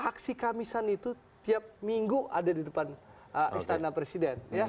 aksi kamisan itu tiap minggu ada di depan istana presiden